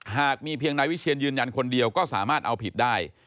หากมีเพียงนายวิเชียนยืนยันคนเดียวก็สามารถเอาผิดได้